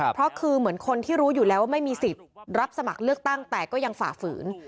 เพราะคือเหมือนคนที่รู้อยู่แล้วว่าไม่มีสิทธิ์รับสมัครเลือกตั้งแต่ก็ยังฝ่าฝืน